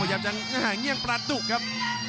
พยายามจะหง่ายเงียงปราตุกครับ